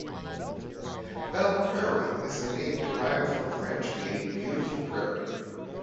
Belle Prairie is a name derived from French meaning "beautiful prairie".